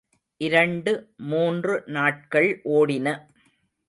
இரண்டு மூன்று நாட்கள் ஓடின.